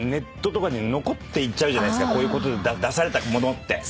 こういうことで出されたものって。